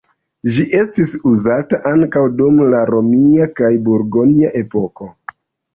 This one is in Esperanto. Ĝi estis uzata ankaŭ dum la romia kaj burgonja epokoj.